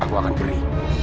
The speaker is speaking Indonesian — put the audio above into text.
aku akan beli